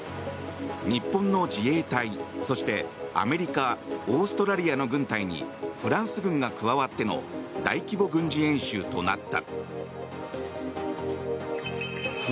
日本の自衛隊、そしてアメリカオーストラリアの軍隊にフランス軍が加わっての大規模軍事練習となった。